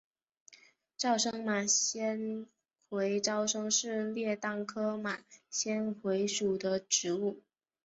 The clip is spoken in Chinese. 沼生马先蒿沼生是列当科马先蒿属的植物。